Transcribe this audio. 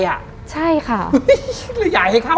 ยายให้เข้าด้วย